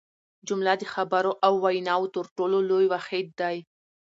جمله د خبرو او ویناوو تر ټولو لوی واحد دئ.